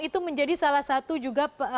itu menjadi salah satu juga